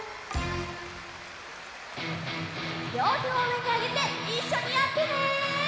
りょうてをうえにあげていっしょにやってね！